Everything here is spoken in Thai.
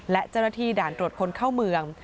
และเจ้าหน้าที่ด่านตรวจคนเข้าเมือง